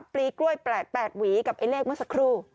ปลีกล้วยแปลก๘หวีกับไอ้เลขเมื่อสักครู่